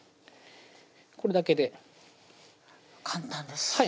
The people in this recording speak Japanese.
これだけで簡単ですはい